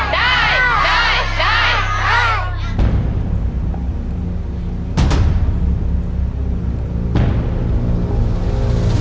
ได้ได้ได้ได้